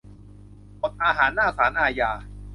อดอาหารหน้าศาลอาญา